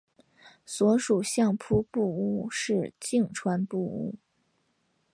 所属相扑部屋是境川部屋。